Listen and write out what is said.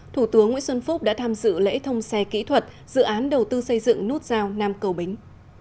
thủ tướng nguyễn xuân phúc đã tham dự lễ thông xe kỹ thuật dự án đầu tư xây dựng nút giao nam cầu bính